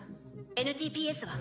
ＮＴＰＳは？